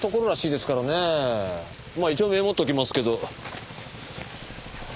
まあ一応メモっておきますけど。